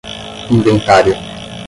inventário